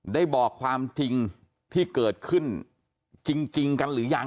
ได้บอกความจริงที่เกิดขึ้นจริงกันหรือยัง